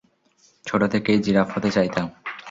ছোট থেকেই জিরাফ হতে চাইতাম।